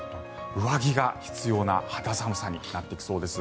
上着が必要な肌寒さになってきそうです。